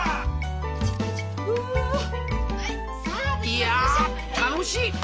いや楽しい！